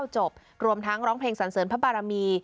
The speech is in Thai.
จบรวมทั้งร้องเพลงสันเสริญพระบารมี